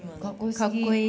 かっこいい。